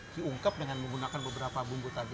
diungkap dengan menggunakan beberapa bumbu tadi